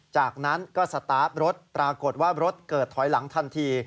จากนั้นก็สตาร์ฟรถปรากฏว่ารถเกิดถอยหลังทันที